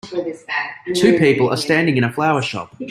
Two people are standing in a flower shop.